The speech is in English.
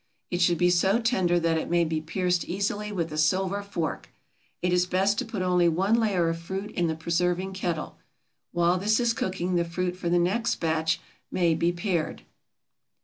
It should be so tender that it may be pierced easily with a silver fork. It is best to put only one layer of fruit in the preserving kettle. While this is cooking the fruit for the next batch may be pared.